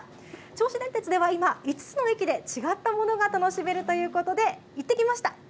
銚子電鉄では今、５つの駅で違ったものが楽しめるということで、行ってきました。